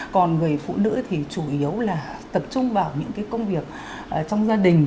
còn người phụ nữ thì chủ yếu là tập trung vào những công việc trong gia đình